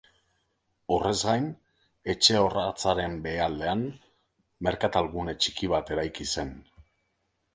Horrez gain, etxe orratzaren behealdean merkatal-gune txiki bat eraiki zen.